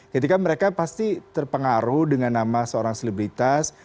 ketika mereka pasti terpengaruh dengan nama seorang selebritas